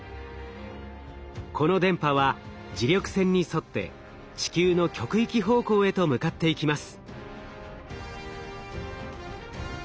この電波は磁力線に沿って地球の極域方向へと向かっていきます。